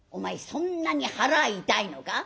そんなに腹痛いのか？」。